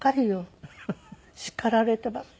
叱られてばっかり。